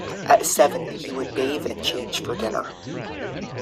At seven he would bathe and change for dinner.